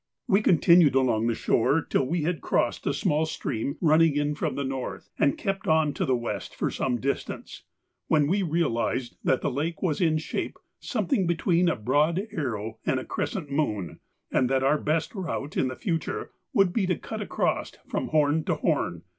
We continued along the shore till we had crossed a small stream running in from the north, and kept on to the west for some distance, when we realised that the lake was in shape something between a broad arrow and a crescent moon, and that our best route in future would be to cut across from horn to horn.